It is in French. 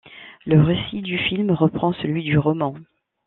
Le récit du film reprend celui du roman.